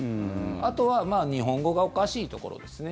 あとは、日本語がおかしいところですね。